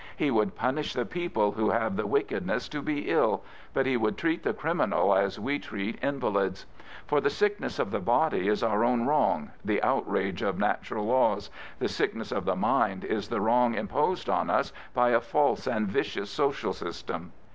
He would punish the people who have the wickedness to be ill; but he would treat the criminal as we treat invalids. For the sickness of the body is our own wrong, the outr4^e of natural laws; the sickness of the mind is the wrong imposed on us by a false and vicious social system.